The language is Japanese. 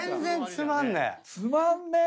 つまんねえ！